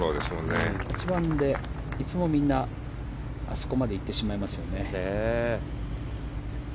８番でいつもみんなあそこまでいってしまいますよね。